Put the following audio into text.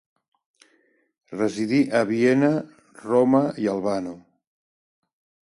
Residí a Viena, Roma i Albano.